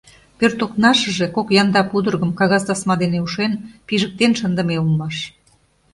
Пӧрт окнашыже кок янда пудыргым, кагаз тасма дене ушен, пижыктен шындыме улмаш.